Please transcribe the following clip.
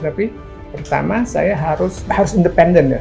tapi pertama saya harus independen ya